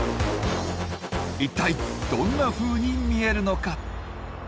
一体どんなふうに見えるのか？